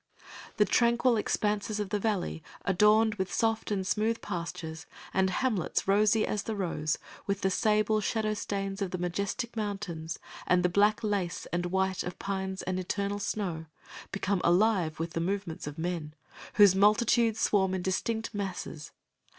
The tranquil expanses of the valley, adorned with soft and smooth pastures and hamlets rosy as the rose, with the sable shadow stains of the majestic mountains and the black lace and white of pines and eternal snow, become alive with the movements of men, whose multitudes swarm in distinct masses.